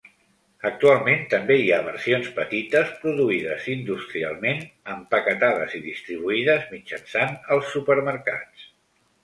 Actualment també hi ha versions petites produïdes industrialment, empaquetades i distribuïdes mitjançant els supermercats.